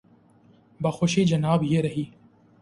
بخوشی جناب، یہ رہی۔